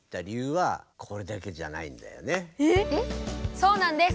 ⁉そうなんです！